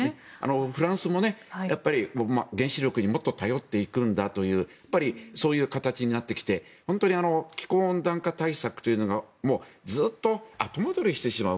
フランスも、原子力にもっと頼っていくんだというそういう形になってきて本当に気候温暖化対策というのがずっと後戻りしてしまう